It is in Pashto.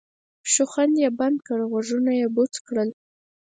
شخوند یې بند کړ غوږونه یې بوڅ کړل.